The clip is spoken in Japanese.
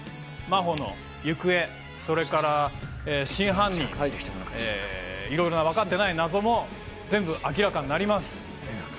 真帆の行方、それから真犯人、いろいろ分かっていない謎も全部明らかになります。